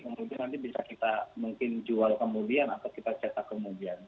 kemudian nanti bisa kita mungkin jual kemudian atau kita cetak kemudian